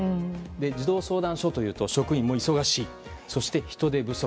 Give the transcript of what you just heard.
児童相談所というと職員も忙しいそして、人手不足。